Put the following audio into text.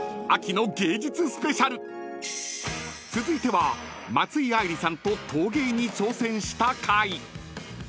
［続いては松井愛莉さんと陶芸に挑戦した回］